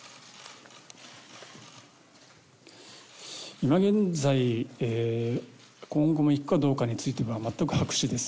今現在今後も行くかどうかについては全く白紙です。